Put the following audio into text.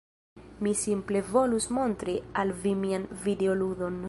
Mi simple volus montri al vi mian videoludon.